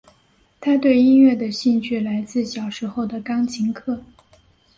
她对音乐的兴趣来自小时候的钢琴课。